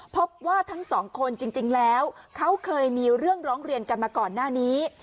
พบว่าทั้งสองคนจริงแล้วเขาเคยมีเรื่องร้องเรียนกันมาก่อนหน้านี้